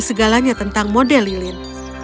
segalanya tentang model lilin